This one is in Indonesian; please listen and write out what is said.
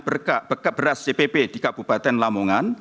berkak beras cpp di kabupaten lamongan